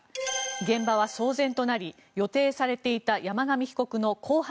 現場は騒然となり予定されていた山上被告の公判